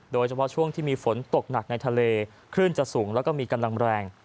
โดยเฉพาะช่วงที่มีฝนตกหนักในทะเลคลื่นจะสูงแล้วก็มีกำลังแรง